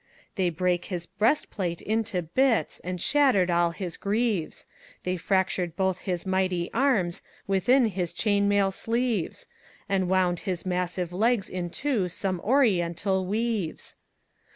They brake hys breastplayte into bits, And shattered all hys greaves; They fractured bothe hys myghtie armes Withynne hys chaynemayle sleeves, And wounde hys massyve legges ynto Some oryentalle weaves.